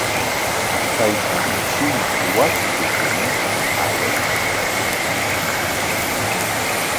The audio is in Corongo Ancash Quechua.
Taytaami shumaq watrakukunata awayta yatraq.